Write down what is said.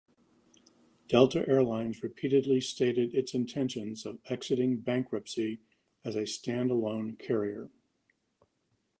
Delta Air Lines repeatedly stated its intentions of exiting bankruptcy as a stand-alone carrier.